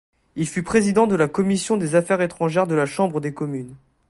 Il fut président de la commission des affaires étrangères de la Chambre des communes.